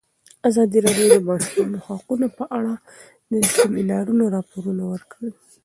ازادي راډیو د د ماشومانو حقونه په اړه د سیمینارونو راپورونه ورکړي.